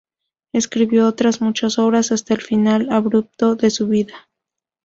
Escribió otras muchas obras hasta el final abrupto de su vida.